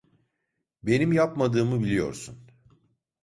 Benim yapmadığımı biliyorsun.